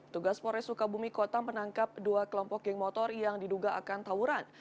tugas pores sukabumi kota menangkap dua kelompok geng motor yang diduga akan tawuran